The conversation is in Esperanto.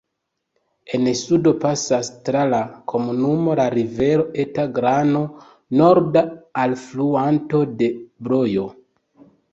En sudo pasas tra la komunumo la rivero Eta Glano, norda alfluanto de Brojo.